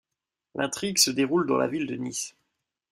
L’intrigue se déroule dans la ville de Nice.